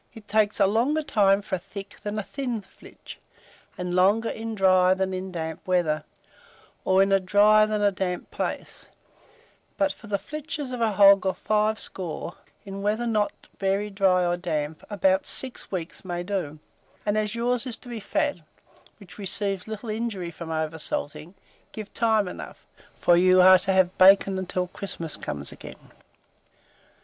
It takes a longer time for a thick than a thin flitch, and longer in dry than in damp weather, or in a dry than in a damp place; but for the flitches of a hog of five score, in weather not very dry or damp, about 6 weeks may do; and as yours is to be fat, which receives little injury from over salting, give time enough, for you are to have bacon until Christmas comes again.